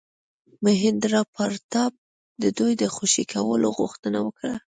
مهیندراپراتاپ د دوی د خوشي کولو غوښتنه وکړه.